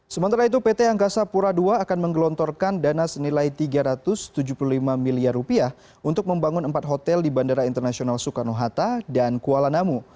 sementara itu pt angkasa pura ii akan menggelontorkan dana senilai rp tiga ratus tujuh puluh lima miliar rupiah untuk membangun empat hotel di bandara internasional soekarno hatta dan kuala namu